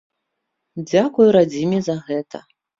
Дзякуй радзіме за гэта!